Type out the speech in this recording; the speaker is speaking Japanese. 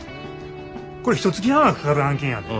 これひとつき半はかかる案件やで。